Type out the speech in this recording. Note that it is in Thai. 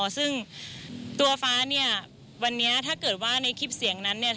ซึ่งตัวฟ้าเนี่ยวันนี้ถ้าเกิดว่าในคลิปเสียงนั้นเนี่ย